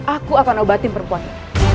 aku akan obatin perempuan